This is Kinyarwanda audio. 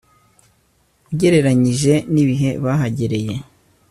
ugereranyije n ibihe bahagereye